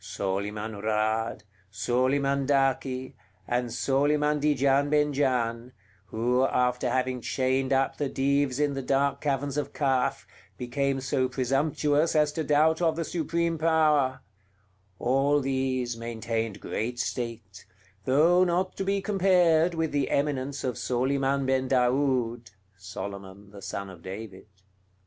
Soliman Raad, Soliman Daki, and Soliman Di Gian Ben Gian, who, after having chained up the Dives in the dark caverns of Kaf, became so presumptuous as to doubt of the Supreme Power, all these maintained great state, though not to be compared with the eminence of Soliman Ben Daoud [Solomon the son of David].